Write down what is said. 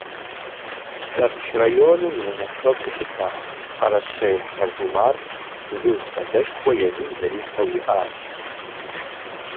Тэрч районым и унафэщӏу щыта Къэрэщей Хьэжумар жыг хадэшхуэ езым зэрихьэу иӏащ.